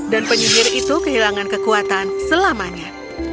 dan penyihir itu kehilangan kekuatan selamanya